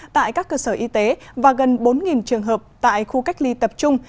tại các cơ sở y tế và gần bốn trường hợp tại khu cách ly tập trung